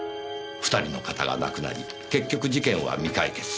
２人の方が亡くなり結局事件は未解決。